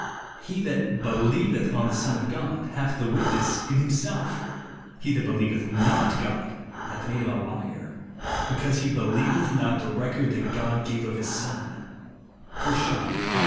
He that believeth on the Son of God hath the witness in himself; he that believeth not God hath made him a liar, because he be lieveth not the record that God gave of his Son," (1 John v.